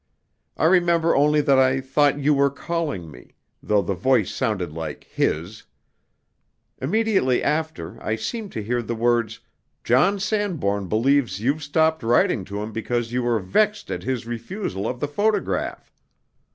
I remember only that I thought you were calling me, though the voice sounded like his. Immediately after, I seemed to hear the words, 'John Sanbourne believes you've stopped writing to him because you were vexed at his refusal of the photograph.'